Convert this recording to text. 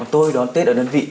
tôi đón tết ở đơn vị